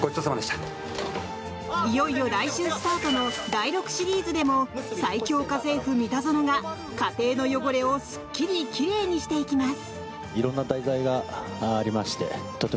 いよいよ来週スタートの第６シリーズでも最恐家政夫、三田園が家庭の汚れをすっきりきれいにしていきます。